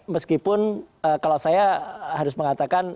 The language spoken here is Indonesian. meskipun kalau saya harus mengatakan